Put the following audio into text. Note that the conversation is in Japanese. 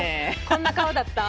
こんな顔だった。